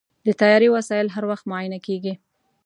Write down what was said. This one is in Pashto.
د طیارې وسایل هر وخت معاینه کېږي.